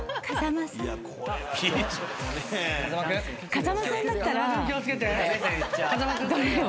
風間さんだったらどれを。